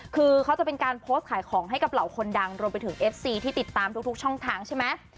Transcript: คือเขาจะเป็นการโพสต์ขายของให้กับเหล่าคนดังรวมไปถึงเอฟซีที่ติดตามทุกช่องทางใช่ไหม